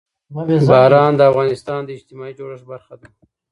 باران د افغانستان د اجتماعي جوړښت برخه ده.